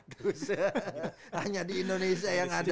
hanya di indonesia yang ada